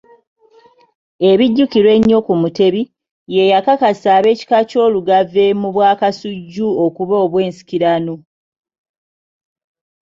Ebijjukirwa ennyo ku Mutebi, ye yakakasa ab'ekika ky'Olugave mu Bwakasujju okuba obw'ensikirano.